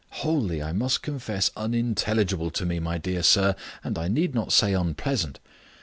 "... wholly, I must confess, unintelligible to me, my dear sir, and I need not say unpleasant.